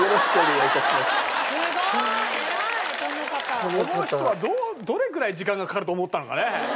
この人はどれぐらい時間がかかると思ったのかね？